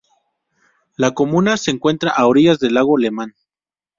La comuna se encuentra a orillas del Lago Lemán.